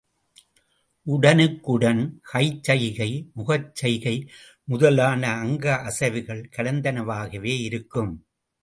உடனுக்குடன் கைச் சைகை, முகச் சைகை முதலான அங்க அசைவுகள் கலந்தனவாகவே இருக்கும்.